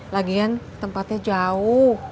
lagian tempatnya jauh